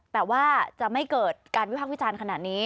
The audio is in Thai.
แต่ว่าจะไม่เกิดการวิพากษ์วิจารณ์ขนาดนี้